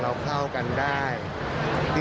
เราเท่ากันได้